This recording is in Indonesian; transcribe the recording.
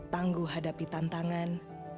tangguh hadapi tantangan